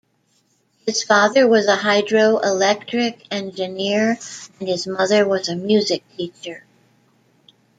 His father was a hydroelectric engineer and his mother was a music teacher.